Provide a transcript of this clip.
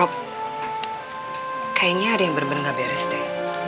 rob kayaknya ada yang bener bener gak beres deh